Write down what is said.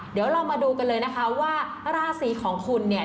เดี๋ยวเรามาดูกันเลยนะคะว่าราศีของคุณเนี่ย